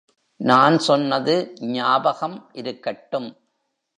நான் சொன்னது ஞாபகம் இருக்கட்டும்.